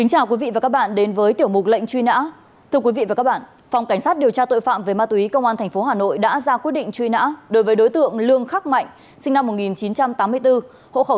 hẹn gặp lại các bạn trong những video tiếp theo